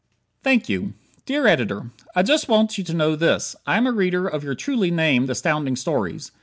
Thank You Dear Editor: I just want you to know this: I am a reader of your truly named Astounding Stories.